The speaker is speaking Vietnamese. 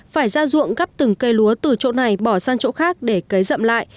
phải ra ruộng gắp từng cây lúa từ chỗ này bỏ sang chỗ khác để cấy dậm lại